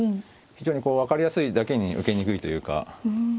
非常に分かりやすいだけに受けにくいというか。